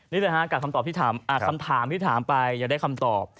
นี่แหละครับกับคำถามที่ถามไปจะได้คำตอบ